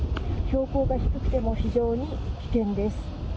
標高が低くても、非常に危険です。